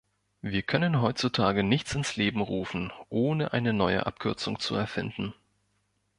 Wir können heutzutage nichts ins Leben rufen, ohne eine neue Abkürzung zu erfinden.